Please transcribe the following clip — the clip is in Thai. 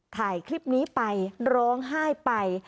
ถ่ายคลิปนี้ไปร้องไห้ไป